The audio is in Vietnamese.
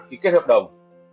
ký kết hợp đồng